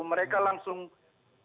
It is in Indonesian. mereka langsung kenapa harus ke sini